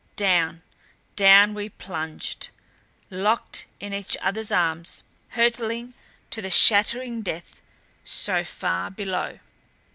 Down, down we plunged, locked in each other's arms, hurtling to the shattering death so far below!